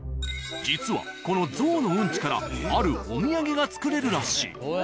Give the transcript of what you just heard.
実はこのゾウのウンチからあるお土産が作れるらしい。